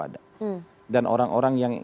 ada dan orang orang yang